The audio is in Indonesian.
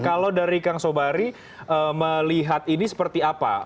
kalau dari kang sobari melihat ini seperti apa